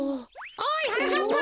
おいはなかっぱ！